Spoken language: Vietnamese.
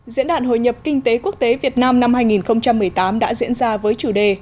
diễn đàn hồi nhập kinh tế quốc tế việt nam năm hai nghìn một mươi tám đã diễn ra với chủ đề